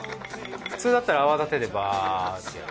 普通だったら泡立てでバーッてやる。